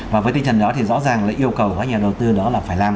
và với tình trạng đó thì rõ ràng là yêu cầu các nhà đầu tư đó là phải làm